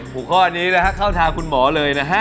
หัวข้อนี้เข้าทางคุณหมอเลยนะฮะ